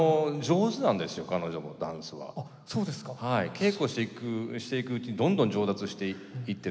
稽古していくうちにどんどん上達していってですね。